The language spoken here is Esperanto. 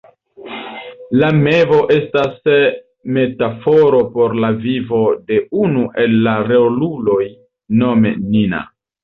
La mevo estas metaforo por la vivo de unu el la roluloj, nome Nina.